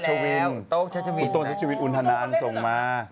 คุณโต้นชัชวินอุณทนันส่งมา